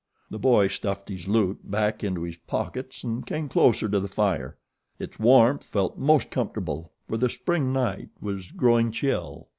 The boy stuffed his loot back into his pockets and came closer to the fire. Its warmth felt most comfortable, for the Spring night was growing chill.